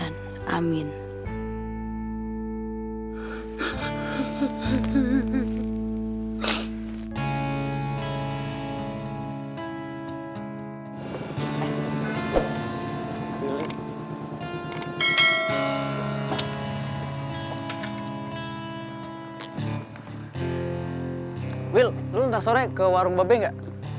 neng tuh sudah benar benar